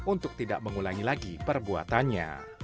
untuk tidak mengulangi lagi perbuatannya